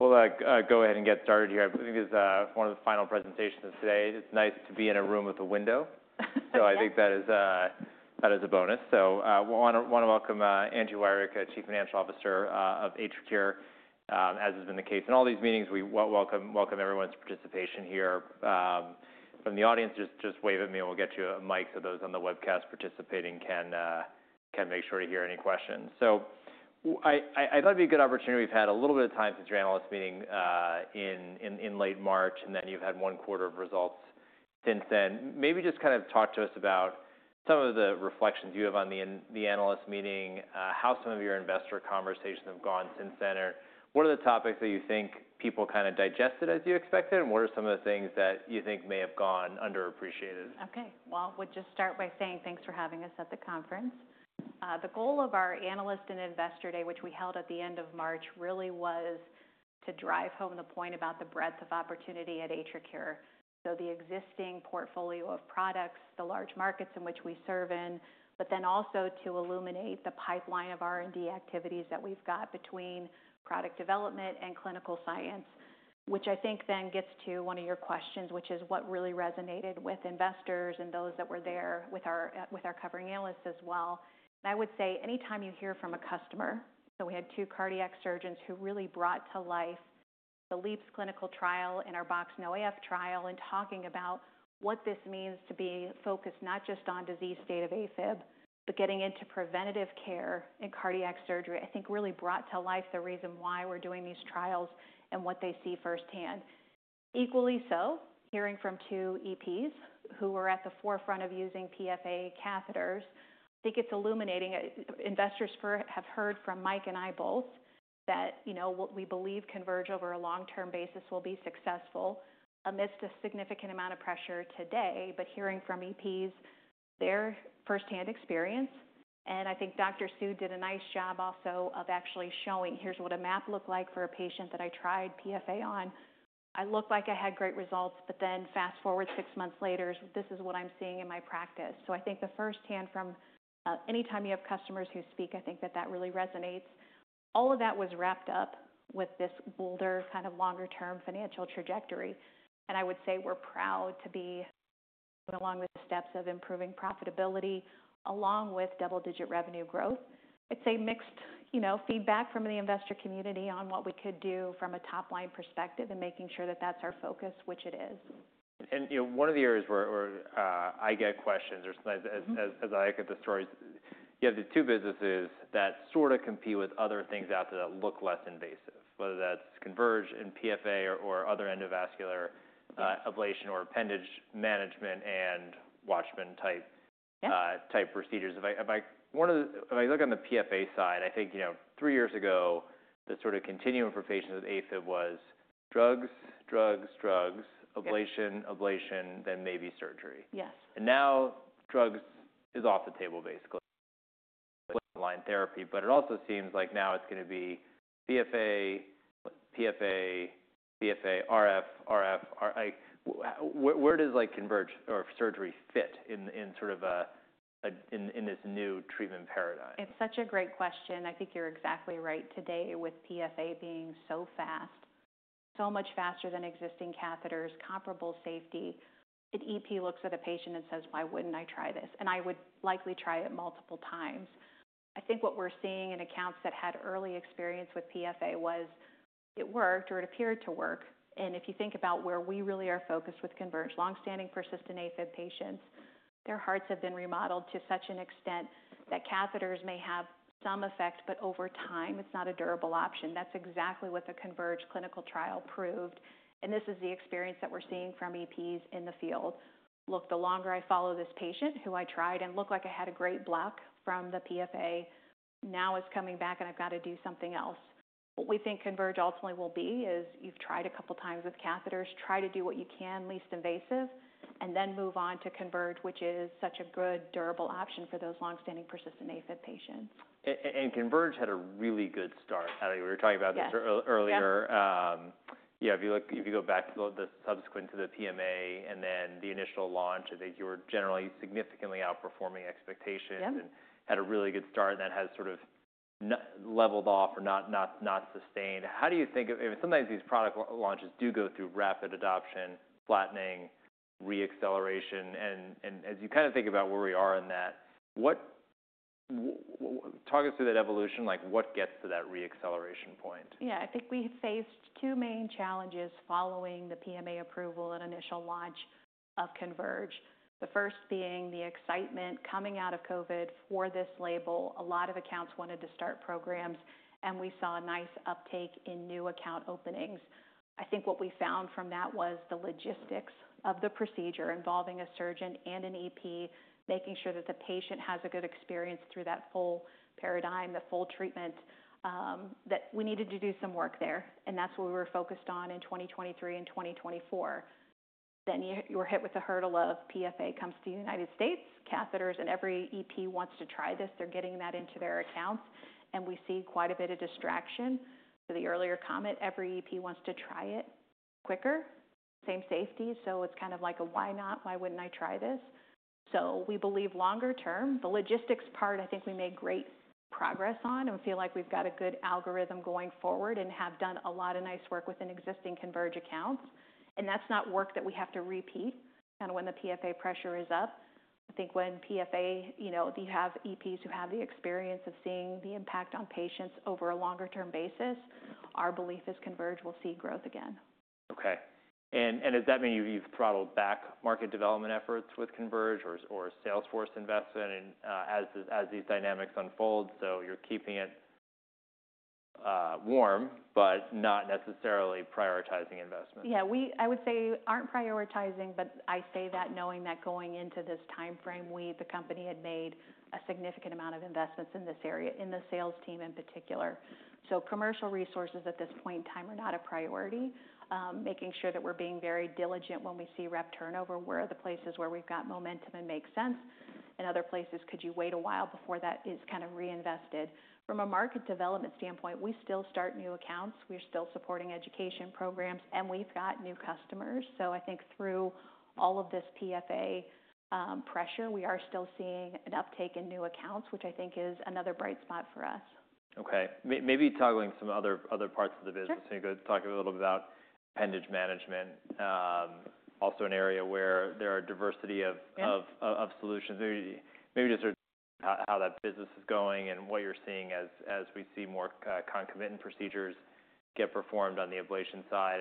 Go ahead and get started here. I think this is one of the final presentations of today. It's nice to be in a room with a window, so I think that is a bonus. I want to welcome Angela Wirick, Chief Financial Officer of AtriCure, as has been the case in all these meetings. We welcome everyone's participation here. From the audience, just wave at me and we'll get you a mic so those on the webcast participating can make sure to hear any questions. I thought it'd be a good opportunity. We've had a little bit of time since your analyst meeting in late March, and then you've had one quarter of results since then. Maybe just kind of talk to us about some of the reflections you have on the analyst meeting, how some of your investor conversations have gone since then, or what are the topics that you think people kind of digested as you expected, and what are some of the things that you think may have gone underappreciated? Okay. I would just start by saying thanks for having us at the conference. The goal of our Analyst and Investor Day, which we held at the end of March, really was to drive home the point about the breadth of opportunity at AtriCure, so the existing portfolio of products, the large markets in which we serve in, but then also to illuminate the pipeline of R&D activities that we've got between product development and clinical science, which I think then gets to one of your questions, which is what really resonated with investors and those that were there with our covering analysts as well. I would say anytime you hear from a customer, we had two cardiac surgeons who really brought to life the LeAAPS clinical trial and our BoxX-NoAF trial and talking about what this means to be focused not just on disease state of AFib, but getting into preventative care and cardiac surgery, I think really brought to life the reason why we're doing these trials and what they see firsthand. Equally so, hearing from two EPs who were at the forefront of using PFA catheters, I think it's illuminating. Investors have heard from Mike and I both that what we believe Converge over a long-term basis will be successful amidst a significant amount of pressure today, but hearing from EPs their firsthand experience, and I think Dr. Soo did a nice job also of actually showing, "Here's what a map looked like for a patient that I tried PFA on. I looked like I had great results, but then fast forward six months later, this is what I'm seeing in my practice." I think the firsthand from anytime you have customers who speak, I think that that really resonates. All of that was wrapped up with this bolder kind of longer-term financial trajectory, and I would say we're proud to be going along with the steps of improving profitability along with double-digit revenue growth. I'd say mixed feedback from the investor community on what we could do from a top-line perspective and making sure that that's our focus, which it is. One of the areas where I get questions or sometimes as I look at the stories, you have the two businesses that sort of compete with other things out there that look less invasive, whether that's Converge and PFA or other endovascular ablation or appendage management and Watchman-type procedures. If I look on the PFA side, I think three years ago, the sort of continuum for patients with AFib was drugs, drugs, drugs, ablation, ablation, then maybe surgery. Yes. Now drugs is off the table basically, line therapy, but it also seems like now it's going to be PFA, PFA, PFA, RF, RF. Where does Converge or surgery fit in sort of this new treatment paradigm? It's such a great question. I think you're exactly right today with PFA being so fast, so much faster than existing catheters, comparable safety. An EP looks at a patient and says, "Why wouldn't I try this?" I would likely try it multiple times. I think what we're seeing in accounts that had early experience with PFA was it worked or it appeared to work. If you think about where we really are focused with Converge long-standing persistent AFib patients, their hearts have been remodeled to such an extent that catheters may have some effect, but over time, it's not a durable option. That's exactly what the Converge clinical trial proved. This is the experience that we're seeing from EPs in the field. Look, the longer I follow this patient who I tried and looked like I had a great block from the PFA, now it's coming back and I've got to do something else. What we think Converge ultimately will be is you've tried a couple of times with catheters, try to do what you can, least invasive, and then move on to Converge, which is such a good durable option for those long-standing persistent AFib patients. Converge had a really good start. I think we were talking about this earlier. Yes. Yeah, if you go back to the subsequent to the PMA and then the initial launch, I think you were generally significantly outperforming expectations and had a really good start and that has sort of leveled off or not sustained. How do you think sometimes these product launches do go through rapid adoption, flattening, re-acceleration, and as you kind of think about where we are in that, talk us through that evolution, like what gets to that re-acceleration point? Yeah, I think we faced two main challenges following the PMA approval and initial launch of Converge, the first being the excitement coming out of COVID for this label. A lot of accounts wanted to start programs, and we saw a nice uptake in new account openings. I think what we found from that was the logistics of the procedure involving a surgeon and an EP, making sure that the patient has a good experience through that full paradigm, the full treatment, that we needed to do some work there, and that's what we were focused on in 2023 and 2024. You were hit with the hurdle of PFA comes to the United States, catheters, and every EP wants to try this. They're getting that into their accounts, and we see quite a bit of distraction. The earlier comment, every EP wants to try it quicker, same safety, so it's kind of like a, "Why not? Why wouldn't I try this?" We believe longer term, the logistics part, I think we made great progress on and feel like we've got a good algorithm going forward and have done a lot of nice work within existing Converge accounts. That's not work that we have to repeat kind of when the PFA pressure is up. I think when PFA, you have EPs who have the experience of seeing the impact on patients over a longer-term basis, our belief is Converge will see growth again. Okay. Does that mean you've throttled back market development efforts with Converge or Salesforce investment as these dynamics unfold? You're keeping it warm, but not necessarily prioritizing investments. Yeah, I would say aren't prioritizing, but I say that knowing that going into this timeframe, we, the company, had made a significant amount of investments in this area, in the sales team in particular. Commercial resources at this point in time are not a priority, making sure that we're being very diligent when we see rep turnover, where are the places where we've got momentum and make sense, and other places, could you wait a while before that is kind of reinvested. From a market development standpoint, we still start new accounts. We're still supporting education programs, and we've got new customers. I think through all of this PFA pressure, we are still seeing an uptake in new accounts, which I think is another bright spot for us. Okay. Maybe toggling some other parts of the business, you could talk a little bit about appendage management, also an area where there are diversity of solutions. Maybe just how that business is going and what you're seeing as we see more concomitant procedures get performed on the ablation side.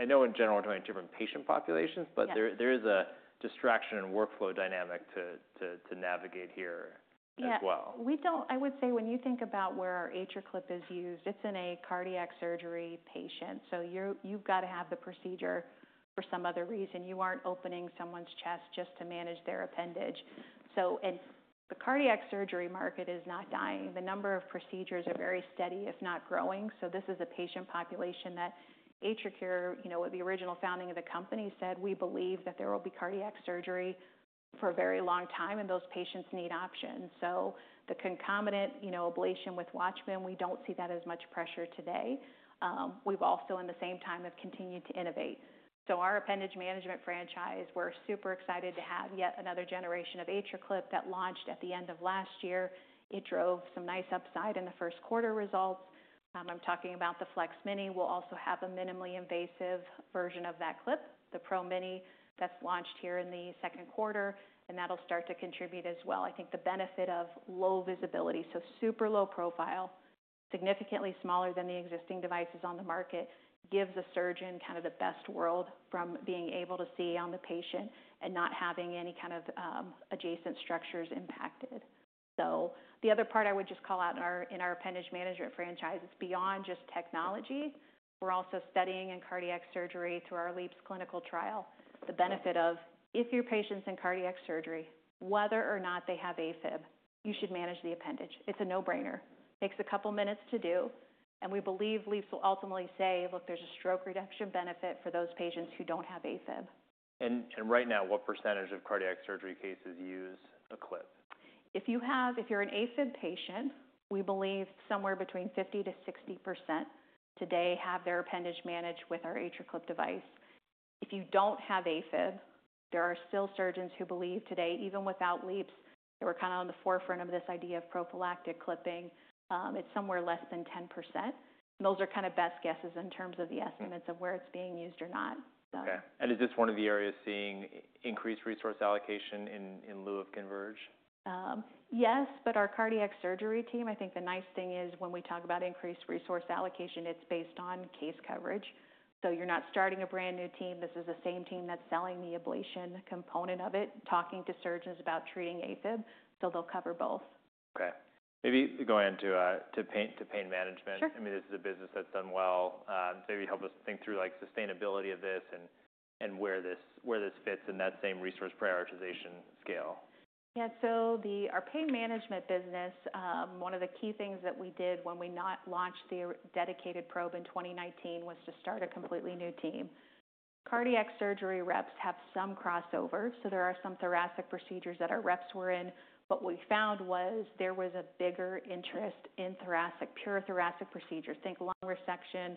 I know in general we're talking different patient populations, but there is a distraction and workflow dynamic to navigate here as well. Yeah. I would say when you think about where AtriClip is used, it's in a cardiac surgery patient. You have to have the procedure for some other reason. You aren't opening someone's chest just to manage their appendage. The cardiac surgery market is not dying. The number of procedures are very steady, if not growing. This is a patient population that AtriCure, the original founding of the company, said, "We believe that there will be cardiac surgery for a very long time, and those patients need options." The concomitant ablation with Watchman, we don't see that as much pressure today. We've also in the same time continued to innovate. Our appendage management franchise, we're super excited to have yet another generation of AtriClip that launched at the end of last year. It drove some nice upside in the first quarter results. I'm talking about the Flex Mini. We'll also have a minimally invasive version of that clip, the Pro Mini that's launched here in the second quarter, and that'll start to contribute as well. I think the benefit of low visibility, so super low profile, significantly smaller than the existing devices on the market, gives a surgeon kind of the best world from being able to see on the patient and not having any kind of adjacent structures impacted. The other part I would just call out in our appendage management franchise, it's beyond just technology. We're also studying in cardiac surgery through our LEAPS clinical trial, the benefit of if your patient's in cardiac surgery, whether or not they have AFib, you should manage the appendage. It's a no-brainer. Takes a couple of minutes to do, and we believe LEAPS will ultimately say, "Look, there's a stroke reduction benefit for those patients who don't have AFib. Right now, what percentage of cardiac surgery cases use a clip? If you're an AFib patient, we believe somewhere between 50%-60% today have their appendage managed with our AtriClip device. If you don't have AFib, there are still surgeons who believe today, even without LeAAPS, they were kind of on the forefront of this idea of prophylactic clipping. It's somewhere less than 10%. Those are kind of best guesses in terms of the estimates of where it's being used or not. Okay. Is this one of the areas seeing increased resource allocation in lieu of Converge? Yes, but our cardiac surgery team, I think the nice thing is when we talk about increased resource allocation, it's based on case coverage. You are not starting a brand new team. This is the same team that's selling the ablation component of it, talking to surgeons about treating AFib, so they'll cover both. Okay. Maybe going into pain management. Sure. I mean, this is a business that's done well. Maybe help us think through sustainability of this and where this fits in that same resource prioritization scale. Yeah. Our pain management business, one of the key things that we did when we launched the dedicated probe in 2019 was to start a completely new team. Cardiac surgery reps have some crossover, so there are some thoracic procedures that our reps were in, but what we found was there was a bigger interest in thoracic, pure thoracic procedures. Think lung resection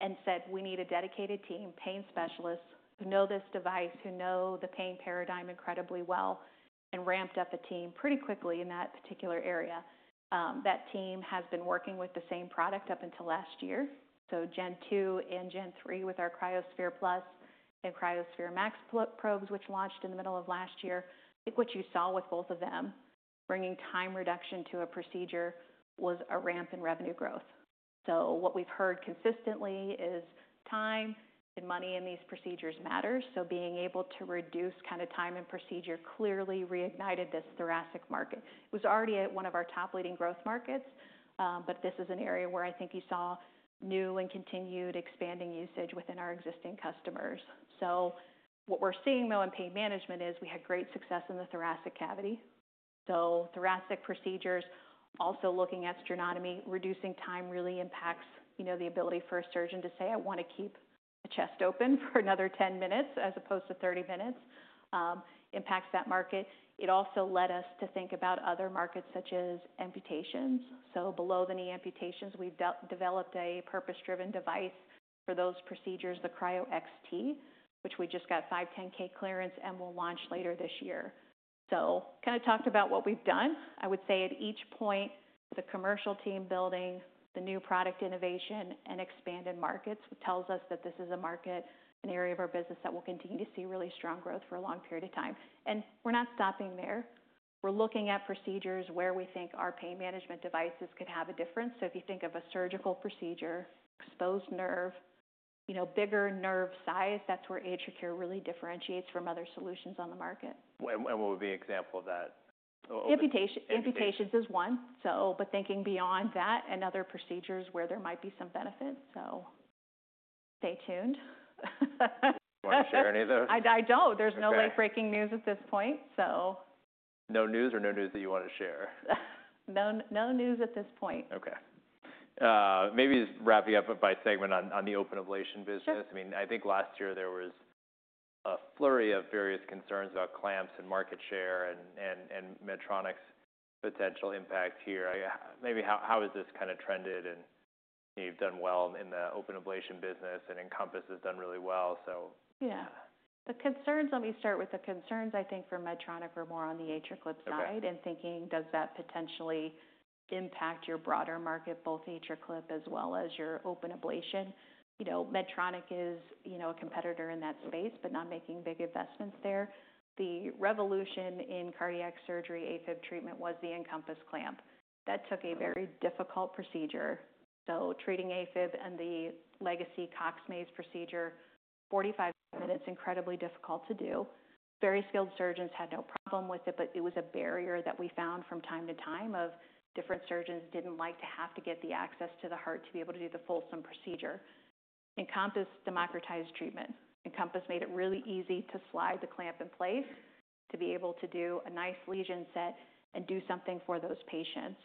and said, "We need a dedicated team, pain specialists who know this device, who know the pain paradigm incredibly well," and ramped up a team pretty quickly in that particular area. That team has been working with the same product up until last year. Gen 2 and Gen 3 with our CryoSphere Plus and CryoSphere Max probes, which launched in the middle of last year. I think what you saw with both of them bringing time reduction to a procedure was a ramp in revenue growth. What we've heard consistently is time and money in these procedures matters. Being able to reduce kind of time and procedure clearly reignited this thoracic market. It was already one of our top leading growth markets, but this is an area where I think you saw new and continued expanding usage within our existing customers. What we're seeing though in pain management is we had great success in the thoracic cavity. Thoracic procedures, also looking at sternotomy, reducing time really impacts the ability for a surgeon to say, "I want to keep the chest open for another 10 minutes as opposed to 30 minutes," impacts that market. It also led us to think about other markets such as amputations. Below-the-knee amputations, we've developed a purpose-driven device for those procedures, the Cryo XT, which we just got 510(k) clearance and will launch later this year. Kind of talked about what we've done. I would say at each point, the commercial team building, the new product innovation, and expanded markets tells us that this is a market, an area of our business that will continue to see really strong growth for a long period of time. We're not stopping there. We're looking at procedures where we think our pain management devices could have a difference. If you think of a surgical procedure, exposed nerve, bigger nerve size, that's where AtriCure really differentiates from other solutions on the market. What would be an example of that? Amputations is one, but thinking beyond that and other procedures where there might be some benefit. Stay tuned. Do you want to share any of those? I don't. There's no late-breaking news at this point. No news or no news that you want to share? No news at this point. Okay. Maybe just wrapping up by segment on the open ablation business. I mean, I think last year there was a flurry of various concerns about clamps and market share and Medtronic's potential impact here. Maybe how has this kind of trended? You have done well in the open ablation business and Encompass has done really well. Yeah. The concerns, let me start with the concerns I think for Medtronic were more on the AtriClip side and thinking, does that potentially impact your broader market, both AtriClip as well as your open ablation? Medtronic is a competitor in that space, but not making big investments there. The revolution in cardiac surgery AFib treatment was the Encompass clamp. That took a very difficult procedure. Treating AFib and the legacy Cox-Maze procedure, 45 minutes, incredibly difficult to do. Very skilled surgeons had no problem with it, but it was a barrier that we found from time to time of different surgeons didn't like to have to get the access to the heart to be able to do the fulsome procedure. Encompass democratized treatment. Encompass made it really easy to slide the clamp in place to be able to do a nice lesion set and do something for those patients.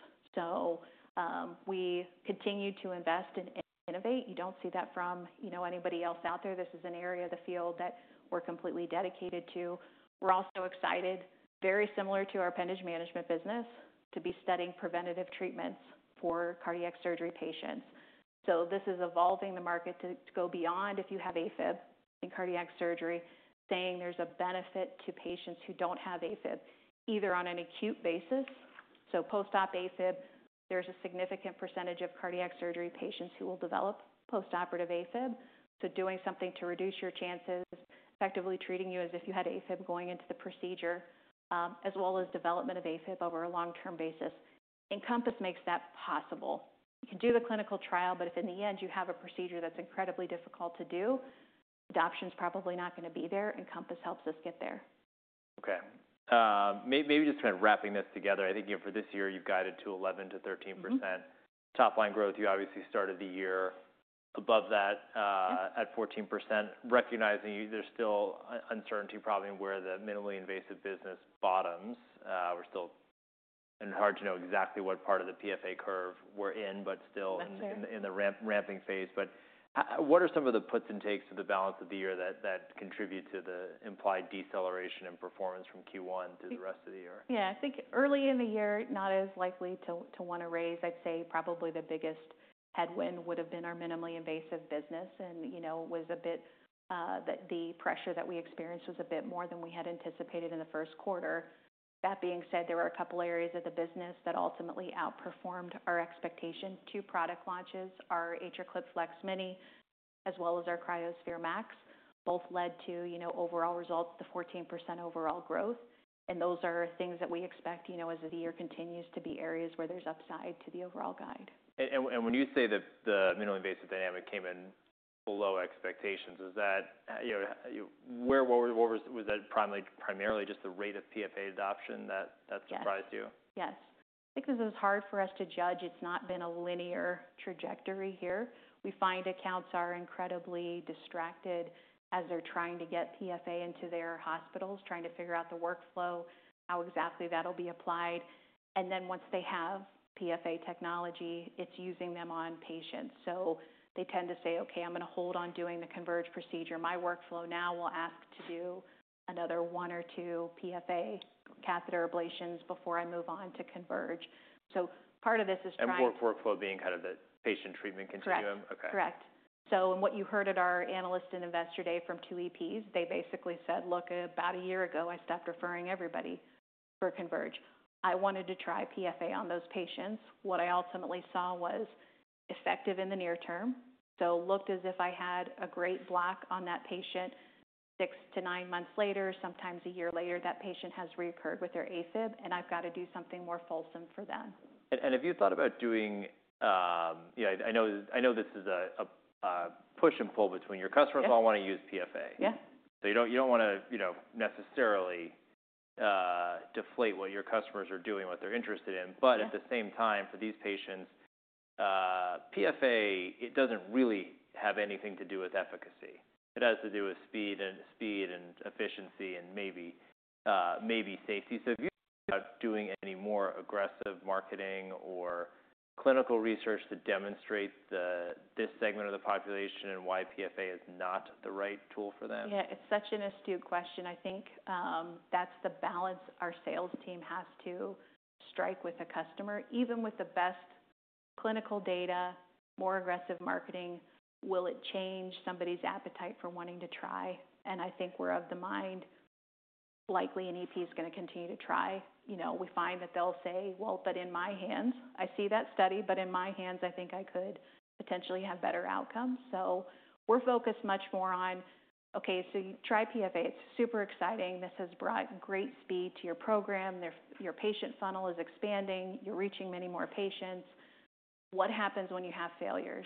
We continue to invest and innovate. You do not see that from anybody else out there. This is an area of the field that we are completely dedicated to. We are also excited, very similar to our appendage management business, to be studying preventative treatments for cardiac surgery patients. This is evolving the market to go beyond if you have AFib in cardiac surgery, saying there is a benefit to patients who do not have AFib, either on an acute basis. Post-op AFib, there is a significant percentage of cardiac surgery patients who will develop post-operative AFib. Doing something to reduce your chances, effectively treating you as if you had AFib going into the procedure, as well as development of AFib over a long-term basis. Encompass makes that possible. You can do the clinical trial, but if in the end you have a procedure that's incredibly difficult to do, adoption's probably not going to be there. Encompass helps us get there. Okay. Maybe just kind of wrapping this together. I think for this year you've guided to 11%-13% top-line growth, you obviously started the year above that at 14%, recognizing there's still uncertainty probably where the minimally invasive business bottoms. We're still hard to know exactly what part of the PFA curve we're in, but still in the ramping phase. What are some of the puts and takes of the balance of the year that contribute to the implied deceleration in performance from Q1 through the rest of the year? Yeah. I think early in the year, not as likely to want to raise. I'd say probably the biggest headwind would have been our minimally invasive business. It was a bit that the pressure that we experienced was a bit more than we had anticipated in the first quarter. That being said, there were a couple of areas of the business that ultimately outperformed our expectation. Two product launches, our AtriClip Flex Mini, as well as our CryoSphere Max, both led to overall results, the 14% overall growth. Those are things that we expect as the year continues to be areas where there's upside to the overall guide. When you say that the minimally invasive dynamic came in below expectations, is that where was that primarily just the rate of PFA adoption that surprised you? Yes. I think this is hard for us to judge. It's not been a linear trajectory here. We find accounts are incredibly distracted as they're trying to get PFA into their hospitals, trying to figure out the workflow, how exactly that'll be applied. Once they have PFA technology, it's using them on patients. They tend to say, "Okay, I'm going to hold on doing the Converge procedure. My workflow now will ask to do another one or two PFA catheter ablations before I move on to Converge." Part of this is trying. Workflow being kind of the patient treatment continuum? Correct. Correct. In what you heard at our analyst and investor day from two EPs, they basically said, "Look, about a year ago, I stopped referring everybody for Converge. I wanted to try PFA on those patients." What I ultimately saw was effective in the near term. Looked as if I had a great block on that patient six to nine months later, sometimes a year later, that patient has reoccurred with their AFib, and I've got to do something more fulsome for them. Have you thought about doing, I know this is a push and pull between your customers all want to use PFA. Yeah. You don't want to necessarily deflate what your customers are doing, what they're interested in. At the same time, for these patients, PFA, it doesn't really have anything to do with efficacy. It has to do with speed and efficiency and maybe safety. Have you thought about doing any more aggressive marketing or clinical research to demonstrate this segment of the population and why PFA is not the right tool for them? Yeah. It's such an astute question. I think that's the balance our sales team has to strike with a customer. Even with the best clinical data, more aggressive marketing, will it change somebody's appetite for wanting to try? I think we're of the mind likely an EP is going to continue to try. We find that they'll say, "Well, but in my hands, I see that study, but in my hands, I think I could potentially have better outcomes." We're focused much more on, "Okay, you try PFA. It's super exciting. This has brought great speed to your program. Your patient funnel is expanding. You're reaching many more patients. What happens when you have failures?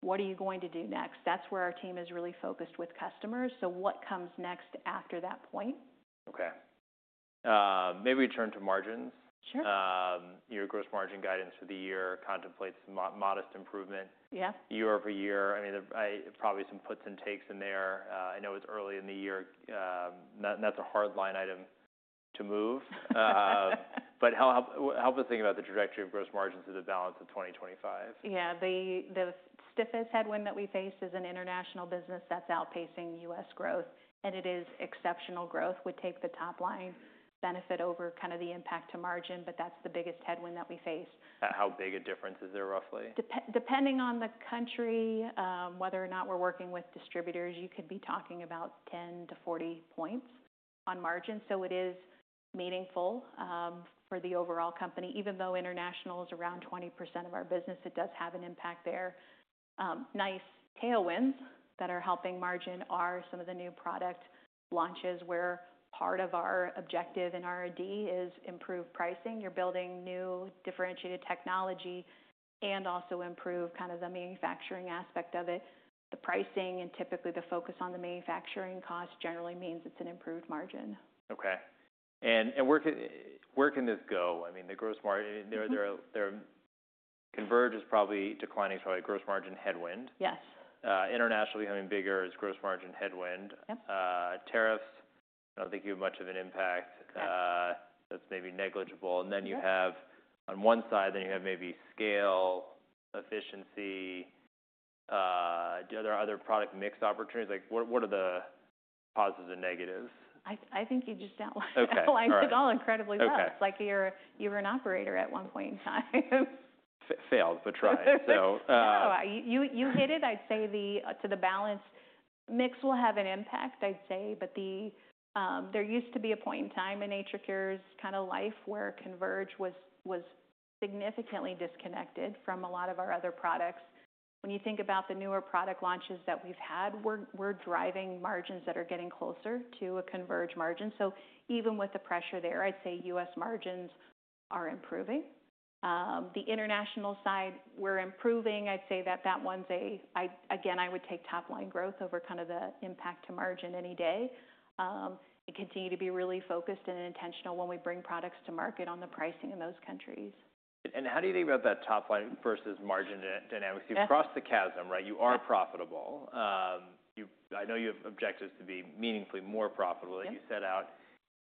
What are you going to do next?" That's where our team is really focused with customers. What comes next after that point? Okay. Maybe we turn to margins. Sure. Your gross margin guidance for the year contemplates modest improvement year over year. I mean, probably some puts and takes in there. I know it's early in the year. That's a hard line item to move. But help us think about the trajectory of gross margins to the balance of 2025. Yeah. The stiffest headwind that we face is an international business that's outpacing U.S. growth. And it is exceptional growth would take the top-line benefit over kind of the impact to margin, but that's the biggest headwind that we face. How big a difference is there roughly? Depending on the country, whether or not we're working with distributors, you could be talking about 10-40 points on margin. It is meaningful for the overall company. Even though international is around 20% of our business, it does have an impact there. Nice tailwinds that are helping margin are some of the new product launches where part of our objective in R&D is improved pricing. You're building new differentiated technology and also improve kind of the manufacturing aspect of it. The pricing and typically the focus on the manufacturing cost generally means it's an improved margin. Okay. Where can this go? I mean, the gross margin converge is probably declining from a gross margin headwind. Yes. International becoming bigger is gross margin headwind. Tariffs do not think you have much of an impact. That is maybe negligible. Then you have on one side, then you have maybe scale, efficiency. Are there other product mix opportunities? What are the positives and negatives? I think you just outlined it all incredibly well. It's like you were an operator at one point in time. Failed, but tried. You hit it. I'd say to the balance, mix will have an impact, I'd say. There used to be a point in time in AtriCure's kind of life where Converge was significantly disconnected from a lot of our other products. When you think about the newer product launches that we've had, we're driving margins that are getting closer to a Converge margin. Even with the pressure there, I'd say US margins are improving. The international side, we're improving. I'd say that that one's again, I would take top-line growth over kind of the impact to margin any day and continue to be really focused and intentional when we bring products to market on the pricing in those countries. How do you think about that top-line versus margin dynamics? You've crossed the chasm, right? You are profitable. I know you have objectives to be meaningfully more profitable that you set out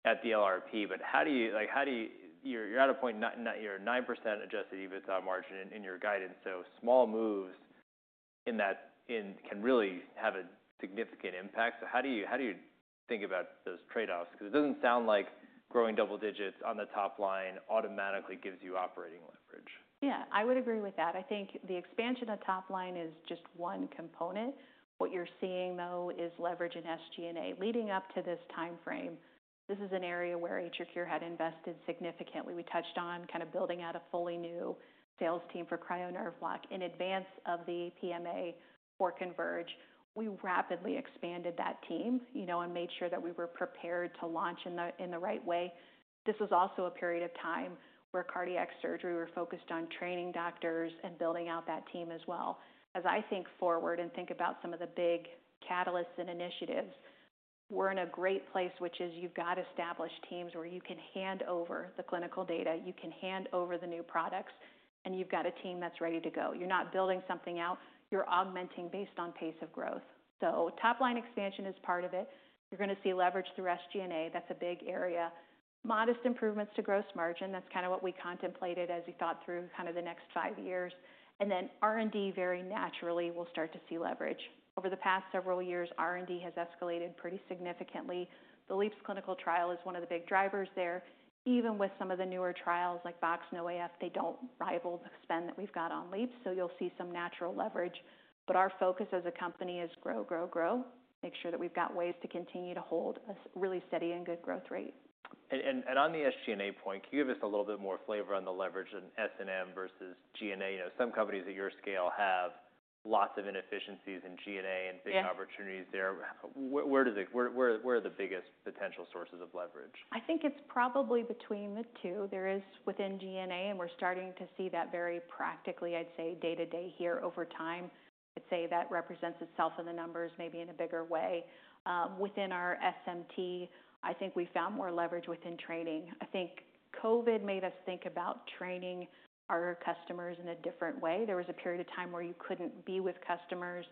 at the LRP, but how do you—you're at a point, you're 9% adjusted EBITDA margin in your guidance. Small moves in that can really have a significant impact. How do you think about those trade-offs? Because it doesn't sound like growing double digits on the top-line automatically gives you operating leverage. Yeah. I would agree with that. I think the expansion of top-line is just one component. What you're seeing, though, is leverage in SG&A. Leading up to this timeframe, this is an area where AtriCure had invested significantly. We touched on kind of building out a fully new sales team for CryoNerveLock in advance of the PMA for Converge. We rapidly expanded that team and made sure that we were prepared to launch in the right way. This was also a period of time where cardiac surgery were focused on training doctors and building out that team as well. As I think forward and think about some of the big catalysts and initiatives, we're in a great place, which is you've got established teams where you can hand over the clinical data, you can hand over the new products, and you've got a team that's ready to go. You're not building something out. You're augmenting based on pace of growth. Top-line expansion is part of it. You're going to see leverage through SG&A. That's a big area. Modest improvements to gross margin. That's kind of what we contemplated as we thought through kind of the next five years. R&D very naturally will start to see leverage. Over the past several years, R&D has escalated pretty significantly. The LEAPS clinical trial is one of the big drivers there. Even with some of the newer trials like VoxNoAF, they don't rival the spend that we've got on LEAPS. You'll see some natural leverage. Our focus as a company is grow, grow, grow, make sure that we've got ways to continue to hold a really steady and good growth rate. On the SG&A point, can you give us a little bit more flavor on the leverage in S&M versus G&A? Some companies at your scale have lots of inefficiencies in G&A and big opportunities there. Where are the biggest potential sources of leverage? I think it's probably between the two. There is within G&A, and we're starting to see that very practically, I'd say, day to day here over time. I'd say that represents itself in the numbers maybe in a bigger way. Within our SMT, I think we found more leverage within training. I think COVID made us think about training our customers in a different way. There was a period of time where you couldn't be with customers.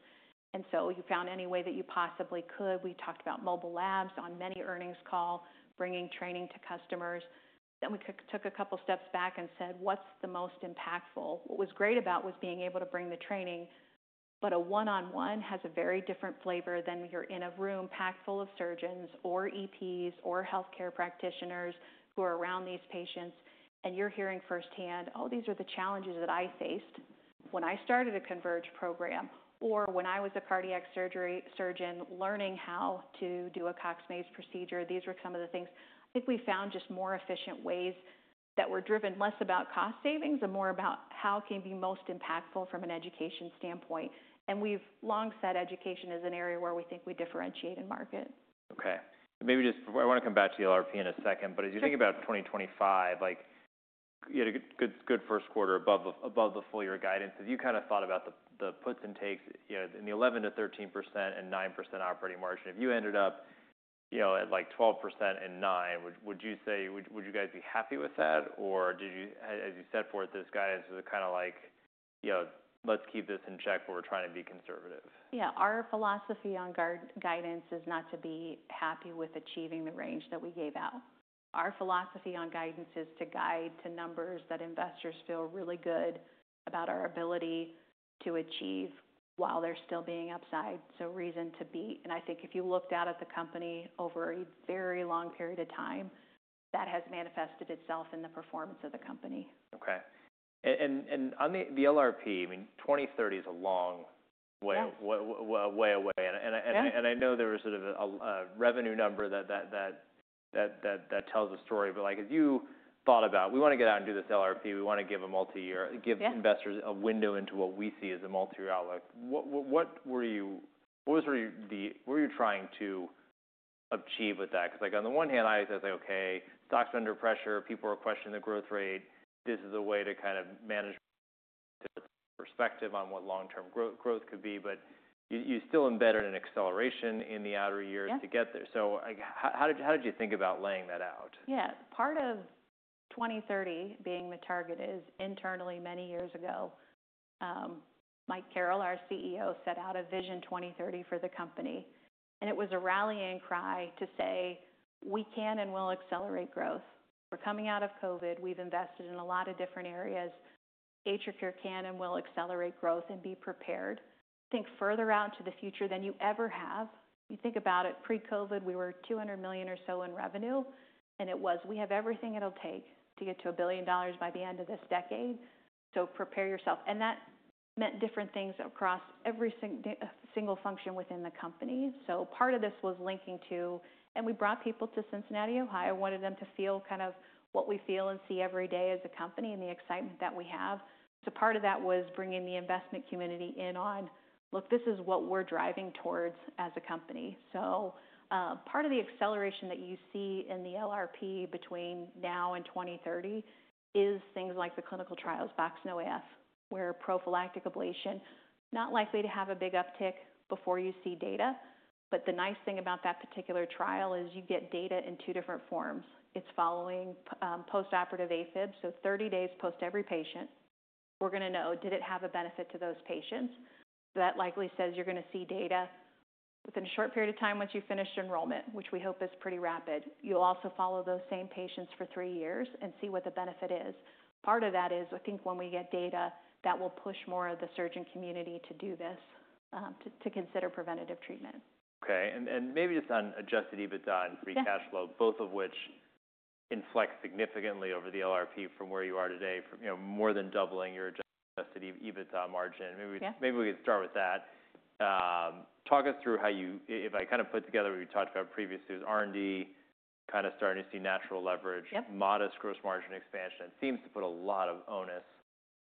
You found any way that you possibly could. We talked about mobile labs on many earnings calls, bringing training to customers. We took a couple of steps back and said, "What's the most impactful?" What was great about it was being able to bring the training, but a one-on-one has a very different flavor than when you're in a room packed full of surgeons or EPs or healthcare practitioners who are around these patients. You're hearing firsthand, "Oh, these are the challenges that I faced when I started a Converge program or when I was a cardiac surgery surgeon learning how to do a Cox-Maze procedure. These were some of the things." I think we found just more efficient ways that were driven less about cost savings and more about how we can be most impactful from an education standpoint. We have long said education is an area where we think we differentiate in market. Okay. Maybe just I want to come back to the LRP in a second, but as you think about 2025, you had a good first quarter above the full year guidance. Have you kind of thought about the puts and takes in the 11%-13% and 9% operating margin? If you ended up at like 12% and 9%, would you say would you guys be happy with that? Or as you set forth this guidance, it was kind of like, "Let's keep this in check, but we're trying to be conservative. Yeah. Our philosophy on guidance is not to be happy with achieving the range that we gave out. Our philosophy on guidance is to guide to numbers that investors feel really good about our ability to achieve while there's still being upside. Reason to beat. I think if you looked out at the company over a very long period of time, that has manifested itself in the performance of the company. Okay. And on the LRP, I mean, 2030 is a long way away. I know there was sort of a revenue number that tells a story. As you thought about, "We want to get out and do this LRP. We want to give investors a window into what we see as a multi-year outlook," what were you trying to achieve with that? Because on the one hand, I was like, "Okay, stocks are under pressure. People are questioning the growth rate. This is a way to kind of manage perspective on what long-term growth could be." You still embedded an acceleration in the outer years to get there. How did you think about laying that out? Yeah. Part of 2030 being the target is internally many years ago, Mike Carrel, our CEO, set out a vision 2030 for the company. It was a rallying cry to say, "We can and will accelerate growth. We're coming out of COVID. We've invested in a lot of different areas. AtriCure can and will accelerate growth and be prepared." Think further out into the future than you ever have. You think about it. Pre-COVID, we were $200 million or so in revenue. It was, "We have everything it'll take to get to a billion dollars by the end of this decade. So prepare yourself." That meant different things across every single function within the company. Part of this was linking to, and we brought people to Cincinnati, Ohio, wanted them to feel kind of what we feel and see every day as a company and the excitement that we have. Part of that was bringing the investment community in on, "Look, this is what we're driving towards as a company." Part of the acceleration that you see in the LRP between now and 2030 is things like the clinical trials, VoxNoAF, where prophylactic ablation, not likely to have a big uptick before you see data. The nice thing about that particular trial is you get data in two different forms. It's following post-operative AFib. Thirty days post every patient, we're going to know, did it have a benefit to those patients? That likely says you're going to see data within a short period of time once you finished enrollment, which we hope is pretty rapid. You'll also follow those same patients for three years and see what the benefit is. Part of that is, I think when we get data, that will push more of the surgeon community to do this, to consider preventative treatment. Okay. Maybe just on adjusted EBITDA and free cash flow, both of which inflect significantly over the LRP from where you are today, more than doubling your adjusted EBITDA margin. Maybe we could start with that. Talk us through how you, if I kind of put together what you talked about previously, it was R&D kind of starting to see natural leverage, modest gross margin expansion. It seems to put a lot of onus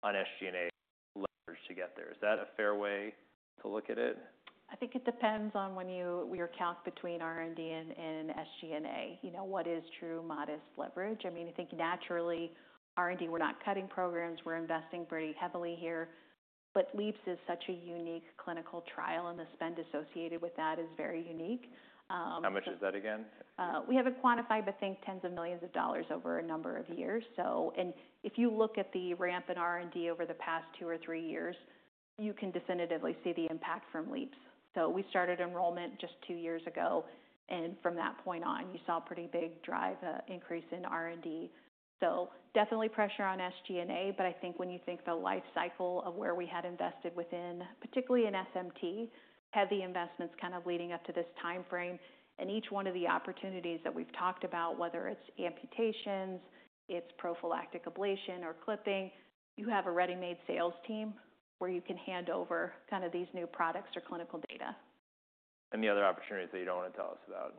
on SG&A leverage to get there. Is that a fair way to look at it? I think it depends on when you count between R&D and SG&A. What is true modest leverage? I mean, I think naturally, R&D, we're not cutting programs. We're investing pretty heavily here. LEAPS is such a unique clinical trial, and the spend associated with that is very unique. How much is that again? We haven't quantified, but I think tens of millions of dollars over a number of years. If you look at the ramp in R&D over the past two or three years, you can definitively see the impact from LEAPS. We started enrollment just two years ago. From that point on, you saw a pretty big drive increase in R&D. Definitely pressure on SG&A. I think when you think the life cycle of where we had invested within, particularly in SMT, heavy investments kind of leading up to this timeframe. Each one of the opportunities that we've talked about, whether it's amputations, it's prophylactic ablation or clipping, you have a ready-made sales team where you can hand over kind of these new products or clinical data. The other opportunities that you don't want to tell us about?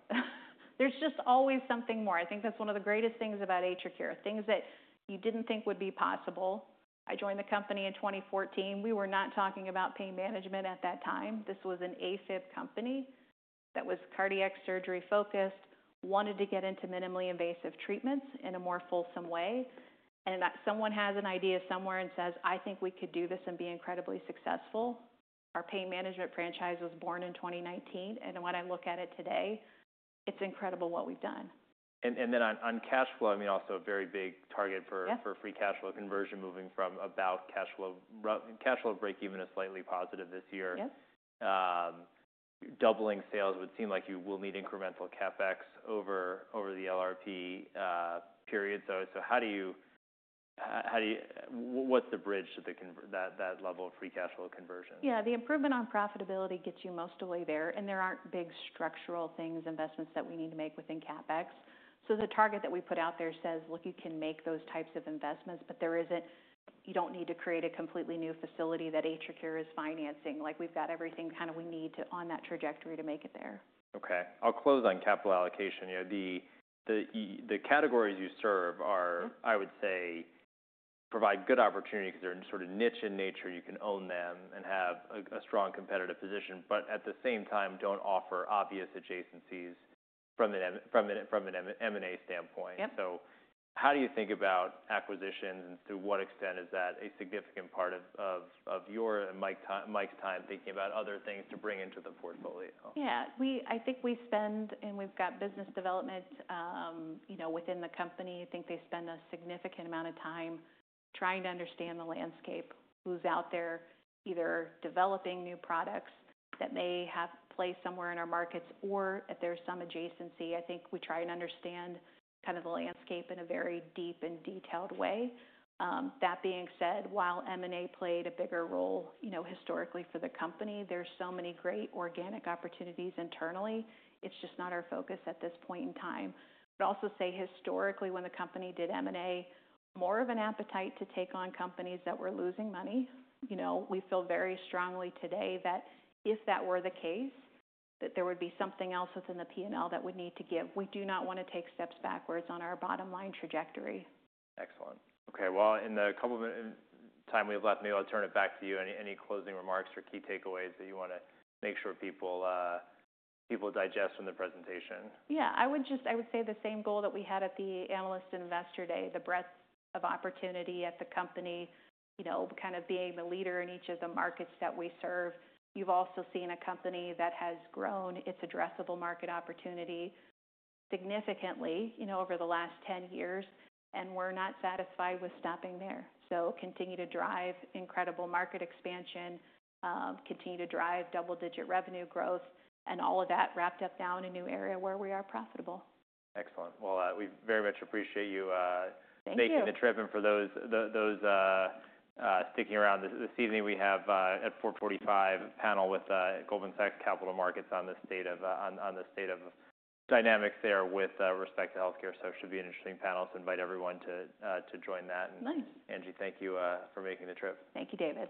There's just always something more. I think that's one of the greatest things about AtriCure. Things that you didn't think would be possible. I joined the company in 2014. We were not talking about pain management at that time. This was an AFib company that was cardiac surgery focused, wanted to get into minimally invasive treatments in a more fulsome way. Someone has an idea somewhere and says, "I think we could do this and be incredibly successful." Our pain management franchise was born in 2019. When I look at it today, it's incredible what we've done. On cash flow, I mean, also a very big target for free cash flow conversion moving from about cash flow breakeven to slightly positive this year. Doubling sales would seem like you will need incremental CapEx over the LRP period. What is the bridge to that level of free cash flow conversion? Yeah. The improvement on profitability gets you most of the way there. There are not big structural things, investments that we need to make within CapEx. The target that we put out there says, "Look, you can make those types of investments, but you do not need to create a completely new facility that AtriCure is financing." We have got everything kind of we need on that trajectory to make it there. Okay. I'll close on capital allocation. The categories you serve are, I would say, provide good opportunity because they're sort of niche in nature. You can own them and have a strong competitive position, but at the same time, don't offer obvious adjacencies from an M&A standpoint. How do you think about acquisitions and to what extent is that a significant part of your and Mike's time thinking about other things to bring into the portfolio? Yeah. I think we spend, and we've got business development within the company. I think they spend a significant amount of time trying to understand the landscape, who's out there either developing new products that may have place somewhere in our markets or if there's some adjacency. I think we try and understand kind of the landscape in a very deep and detailed way. That being said, while M&A played a bigger role historically for the company, there are so many great organic opportunities internally. It's just not our focus at this point in time. I would also say historically when the company did M&A, more of an appetite to take on companies that were losing money. We feel very strongly today that if that were the case, that there would be something else within the P&L that would need to give. We do not want to take steps backwards on our bottom line trajectory. Excellent. Okay. In the couple of time we have left, maybe I'll turn it back to you. Any closing remarks or key takeaways that you want to make sure people digest from the presentation? Yeah. I would say the same goal that we had at the Analyst Investor Day, the breadth of opportunity at the company, kind of being the leader in each of the markets that we serve. You've also seen a company that has grown its addressable market opportunity significantly over the last 10 years. We're not satisfied with stopping there. Continue to drive incredible market expansion, continue to drive double-digit revenue growth, and all of that wrapped up now in a new area where we are profitable. Excellent. We very much appreciate you making the trip and for those sticking around. This evening, we have at 4:45 P.M. a panel with Goldman Sachs Capital Markets on the state of dynamics there with respect to healthcare. It should be an interesting panel. I invite everyone to join that. Nice. Angela, thank you for making the trip. Thank you, David.